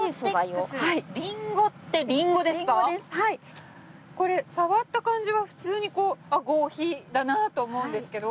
これ触った感じは普通に合皮だなと思うんですけど。